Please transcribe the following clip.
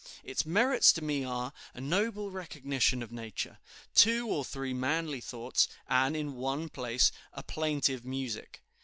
Its merits to me are, a noble recognition of Nature, two or three manly thoughts, and, in one place, a plaintive music.